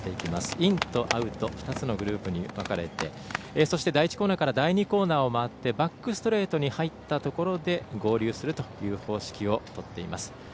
インとアウト、２つのグループに分かれてそして、第１コーナーから第２コーナーを回ってバックストレートに入ったところで合流するという方式を取っています。